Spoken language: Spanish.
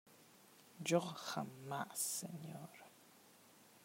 yo, jamás , señor.